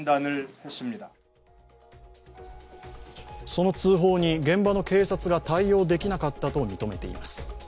その通報に現場の警察が対応できなかったと認めています。